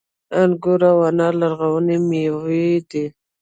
انګور او انار لرغونې میوې دي